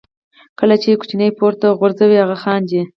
کله چې ماشوم پورته غورځوئ هغه خاندي.